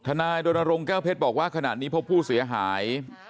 ทนายโดนโรงแก้วเพชรบอกว่าขนาดนี้พวกผู้เสียหาย